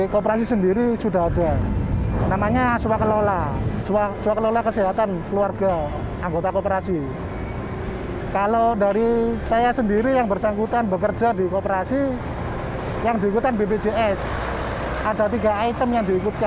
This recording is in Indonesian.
kemampuan pengelolaan yang sama